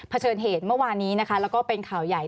เชิญเหตุเมื่อวานนี้นะคะแล้วก็เป็นข่าวใหญ่